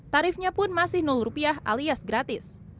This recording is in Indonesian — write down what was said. tarifnya pun masih rupiah alias gratis